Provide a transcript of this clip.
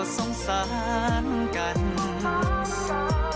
สงสารกัน